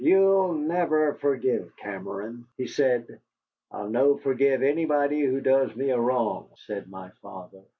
"You'll never forgive Cameron," he said. "I'll no forgive anybody who does me a wrong," said my father.